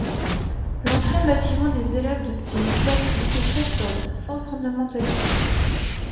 L’ancien bâtiment des élèves de style classique est très sobre sans ornementation.